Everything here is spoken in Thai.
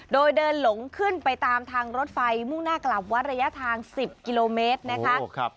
โดยเดินหลงขึ้นไปตามทางรถไฟมุ่งหน้ากลับวัดระยะทาง๑๐กิโลเมตรนะคะ